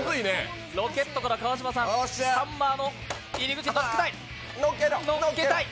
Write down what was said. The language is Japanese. ロケットから川島さん、ハンマーの入り口に乗っけたい。